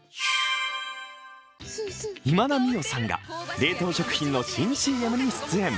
今田美桜さんが冷凍食品の新ＣＭに出演。